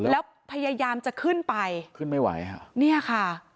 แล้วพยายามจะขึ้นไปขึ้นไม่ไหวค่ะเนี่ยค่ะ